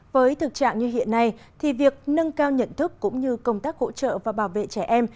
với thực trạng như hiện nay thì việc nâng cao nhận thức cũng như công tác hỗ trợ và bảo vệ trẻ em